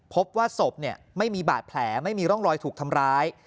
พบว่าศพไม่มีบาดแผลไม่มีร่องรอยถูกทำร้าย